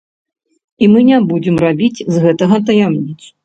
І мы не будзем рабіць з гэтага таямніцу.